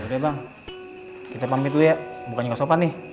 ya udah bang kita pamit dulu ya bukannya gak sopan